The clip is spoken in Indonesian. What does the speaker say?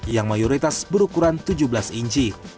yang mayoritas berukuran tujuh belas inci